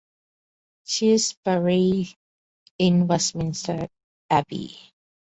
She is buried in Westminster Abbey.